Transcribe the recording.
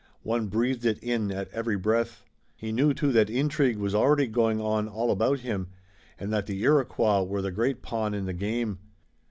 One breathed it in at every breath. He knew, too, that intrigue was already going on all about him, and that the Iroquois were the great pawn in the game.